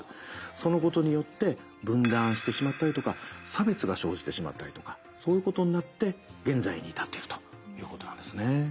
そのことによって分断してしまったりとか差別が生じてしまったりとかそういうことになって現在に至っているということなんですね。